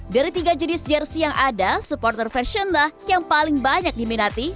dari tiga jenis jersey yang ada supporter fashion lah yang paling banyak diminati